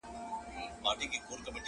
د نسترن څڼو کي؛